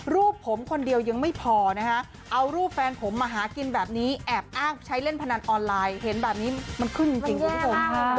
รูปผมคนเดียวยังไม่พอนะฮะเอารูปแฟนผมมาหากินแบบนี้แอบอ้างใช้เล่นพนันออนไลน์เห็นแบบนี้มันขึ้นจริงคุณผู้ชม